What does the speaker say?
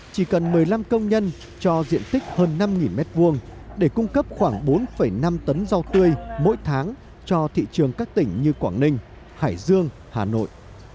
một trăm tám mươi tám chỉ cần một mươi năm công nhân cho diện tích hơn năm m hai để cung cấp khoảng bốn năm tấn rau tươi mỗi tháng cho thị trường các tỉnh như quảng ninh hải dương hà nội